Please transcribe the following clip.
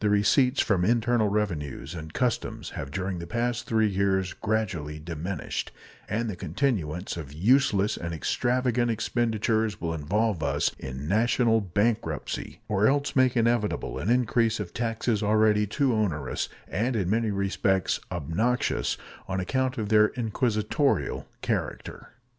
The receipts from internal revenues and customs have during the past three years gradually diminished, and the continuance of useless and extravagant expenditures will involve us in national bankruptcy, or else make inevitable an increase of taxes already too onerous and in many respects obnoxious on account of their inquisitorial character.